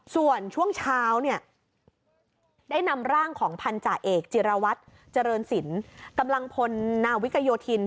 ส่วนช่วงเช้าเนี่ยได้นำร่างของพันธุ์จ่ายเอกจิรวรรดิเจริญสินตำรังพลนาวิกยศิลป์